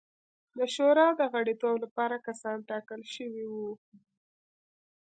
د شورا د غړیتوب لپاره کسان ټاکل شوي وو.